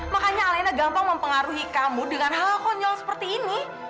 makanya alena gampang mempengaruhi kamu dengan hal konyol seperti ini